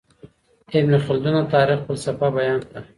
ابن خلدون د تاريخ فلسفه بيان کړه.